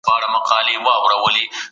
کوم لګيا يمه زه